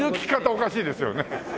おかしいですよね。